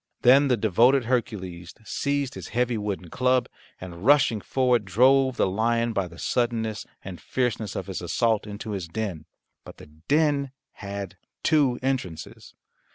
Then the devoted Hercules seized his heavy wooden club, and rushing forward drove the lion by the suddenness and fierceness of his assault into his den. But the den had two entrances.